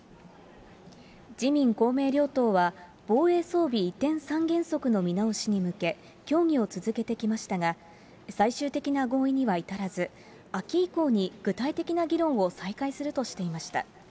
自民、公明両党は、防衛装備移転三原則の見直しに向け、協議を続けてきましたが、最終的な合意には至らず、秋以降に具体的な議論を再開するとしていました。